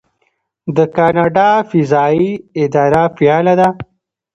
د کاناډا فضایی اداره فعاله ده.